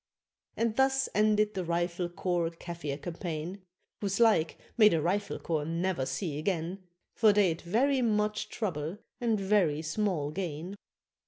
And thus ended the Rifle Corps Kafir campaign Whose like may the Rifle Corps ne'er see again, For they'd very much trouble and very small gain.